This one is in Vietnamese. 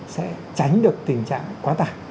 sẽ tránh được tình trạng quá tạc